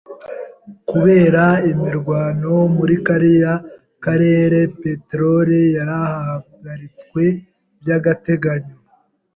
Kubera imirwano muri kariya karere, peteroli yarahagaritswe by'agateganyo.